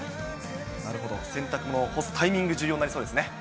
なるほど、洗濯物を干すタイミング、重要になりそうですね。